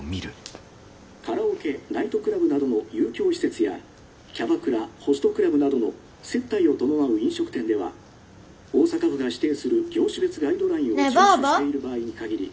カラオケナイトクラブなどの遊興施設やキャバクラホストクラブなどの接待を伴う飲食店では大阪府が指定する業種別ガイドラインを順守している場合に限り」。